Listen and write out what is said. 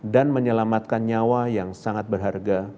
dan menyelamatkan nyawa yang sangat berharga